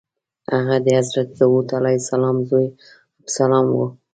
هغه د حضرت داود علیه السلام زوی ابسلام و.